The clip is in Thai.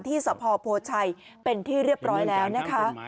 สพโพชัยเป็นที่เรียบร้อยแล้วนะคะ